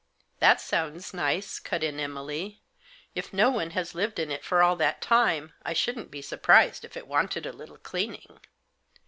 " That sounds nice," cut in Emily. " If no one has lived in it for all that time I shouldn't be surprised if it wanted a little cleaning."